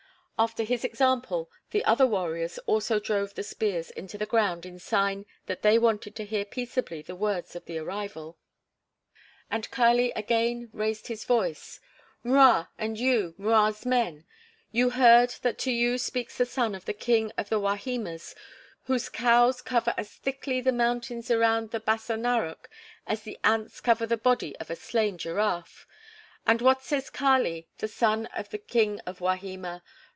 After his example, the other warriors also drove the spears into the ground in sign that they wanted to hear peaceably the words of the arrival. And Kali again raised his voice. "M'Rua, and you, M'Rua's men, you heard that to you speaks the son of the king of the Wahimas, whose cows cover as thickly the mountains around the Bassa Narok as the ants cover the body of a slain giraffe. And what says Kali, the son of the king of Wahima?